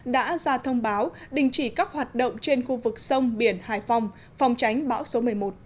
đã ra thông báo đình chỉ các hoạt động trên khu vực sông biển hải phòng phòng tránh bão số một mươi một